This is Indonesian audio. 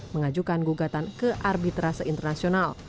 mengajukan gugatan kearbitrasi internasional